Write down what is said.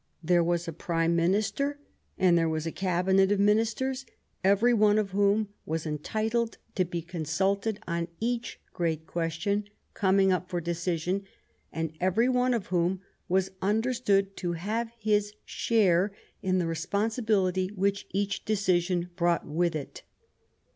There was a prime minister and there was a cabinet of ministers, every one of whom was entitled to be consulted on each great question coming up for decision, and every one of whom was understood to have his share in the responsi bility which each decision brought with it.